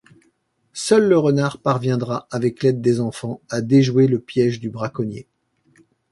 Seul le renard parviendra avec l'aide des enfants à déjouer le piège du braconnier.